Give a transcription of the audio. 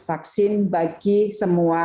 vaksin bagi semua